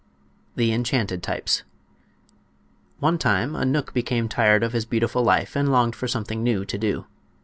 THE ENCHANTED TYPES One time a knook became tired of his beautiful life and longed for something new to do.